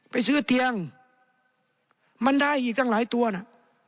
ไปซื้อเตียงมันได้อีกตั้งหลายตัวน่ะ